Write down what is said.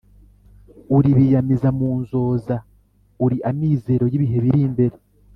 uri biyamiza mu nzoza: uri amizero y’ibihe biri imbere